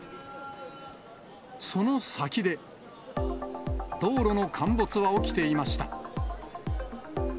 その先で、道路の陥没は起きていました。